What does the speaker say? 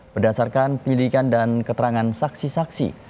berdasarkan penyidikan dan keterangan saksi saksi